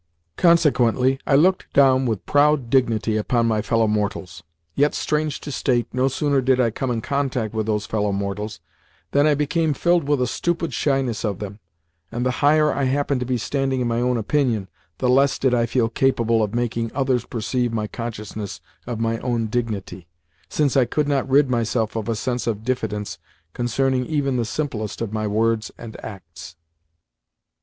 Consequently, I looked down with proud dignity upon my fellow mortals. Yet, strange to state, no sooner did I come in contact with those fellow mortals than I became filled with a stupid shyness of them, and, the higher I happened to be standing in my own opinion, the less did I feel capable of making others perceive my consciousness of my own dignity, since I could not rid myself of a sense of diffidence concerning even the simplest of my words and acts.